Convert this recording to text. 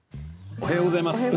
おはようございます。